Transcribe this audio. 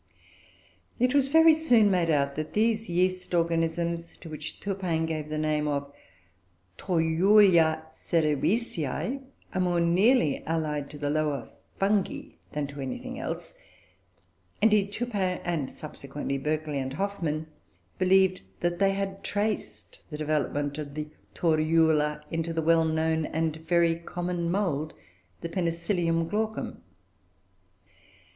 It was very soon made out that these yeast organisms, to which Turpin gave the name of Torula cerevisioe, were more nearly allied to the lower Fungi than to anything else. Indeed Turpin, and subsequently Berkeley and Hoffmann, believed that they had traced the development of the Torula into the well known and very common mould the Penicillium glaucum.